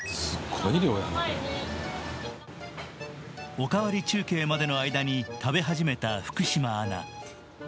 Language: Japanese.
「おかわり中継」までの間に食べ始めた福島アナ。